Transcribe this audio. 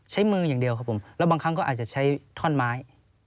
มืออย่างเดียวครับผมแล้วบางครั้งก็อาจจะใช้ท่อนไม้